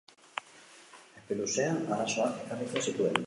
Epe luzean arazoak ekarriko zituen.